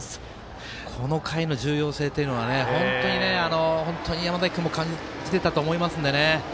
この回の重要性というのは本当に山崎君も感じていたと思いますので。